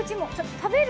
食べる？